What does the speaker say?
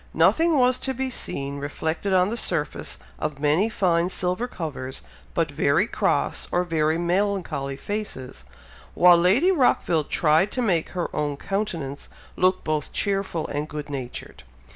Nothing was to be seen reflected on the surface of many fine silver covers, but very cross, or very melancholy faces; while Lady Rockville tried to make her own countenance look both cheerful and good natured.